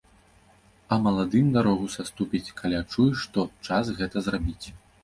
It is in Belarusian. А маладым дарогу саступіць, калі адчуе, што час гэта зрабіць.